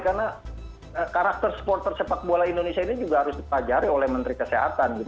karena karakter supporter sepak bola indonesia ini juga harus dipajari oleh menteri kesehatan